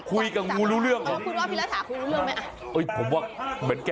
มันพูดว่าพี่ระถาคุยกับงูรู้เรื่องเหรอน่ะ